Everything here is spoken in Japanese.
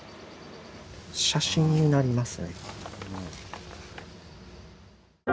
写真になりますね。